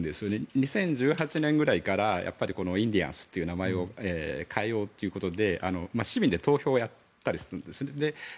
２０１８年ぐらいからインディアンスという名前を変えようということで、市民で投票をやったりするんです。